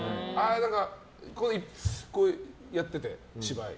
こうやってて、芝居。